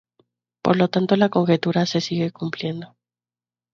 Por lo tanto la conjetura se sigue cumpliendo.